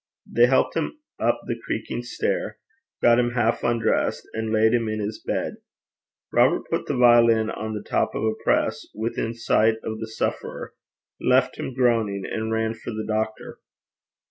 They helped him up the creaking stair, got him half undressed, and laid him in his bed. Robert put the violin on the top of a press within sight of the sufferer, left him groaning, and ran for the doctor.